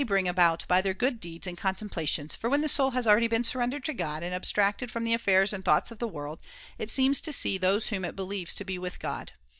And this [403 they bring about by their good deeds and contemplations ; for when the soul has already been surrendered to God and abstracted from the affairs and thoughts of the world, it seems to see those whom it believes to be with God.